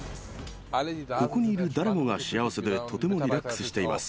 ここにいる誰もが幸せで、とてもリラックスしています。